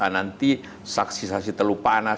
nanti saksi saksi terlalu panas